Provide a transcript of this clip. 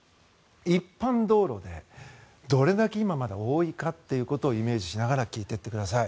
一般道路でどれだけ今まだ多いかということをイメージしながら聞いていってください。